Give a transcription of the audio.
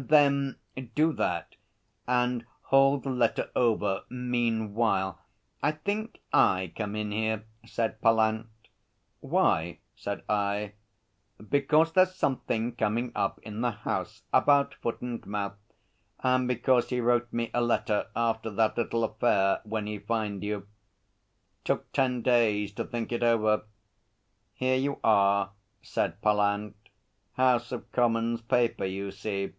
'Then, do that; and hold the letter over meanwhile. I think I come in here,' said Pallant. 'Why?' said I. 'Because there's something coming up in the House about foot and mouth, and because he wrote me a letter after that little affair when he fined you. 'Took ten days to think it over. Here you are,' said Pallant. 'House of Commons paper, you see.'